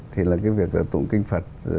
thì là cái việc là tụng kinh phật